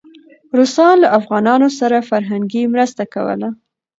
روسان له افغانانو سره فرهنګي مرسته کوله.